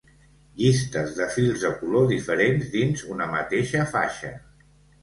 Llistes de fils de color diferents dins una mateixa faixa.